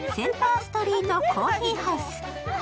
ストリート・コーヒーハウス。